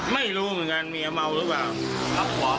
ไม่รู้เหมือนกันเมียเมาหรือเปล่ารับของ